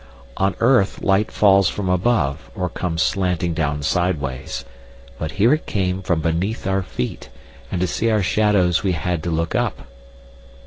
On earth light falls from above, or comes slanting down sideways, but here it came from beneath our feet, and to see our shadows we had to look up.